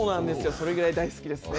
それぐらい大好きですね。